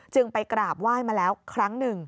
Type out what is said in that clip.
ไปกราบไหว้มาแล้วครั้งหนึ่ง